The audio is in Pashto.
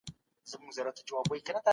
اذیت او ضرر رسول بد کار دی.